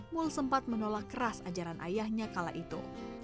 mul sempat menolak keras ajaran ayahnya kala itu